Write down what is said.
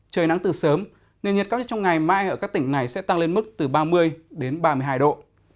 trời nắng từ sớm nền nhiệt cao nhất trong ngày mai ở các tỉnh này sẽ tăng lên mức từ ba mươi đến ba mươi hai độ